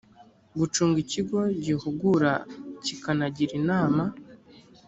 gucunga ikigo gihugura kikanagira inama